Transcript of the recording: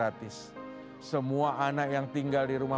dan bermanfaat bagi semua